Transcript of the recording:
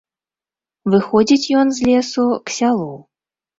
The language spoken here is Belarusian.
Выходзіць ён з лесу к сялу.